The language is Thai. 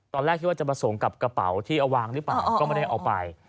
ตอนแรกคิดว่าจะผสมกับกระเป๋าที่เอาวางหรือเปล่าก็ไม่ได้เอาไป